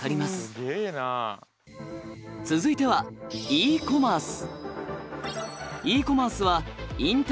続いてはＥコマース。